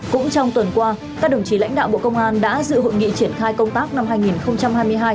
cũng trong tuần qua các đồng chí lãnh đạo bộ công an đã dự hội nghị triển khai công tác năm hai nghìn hai mươi hai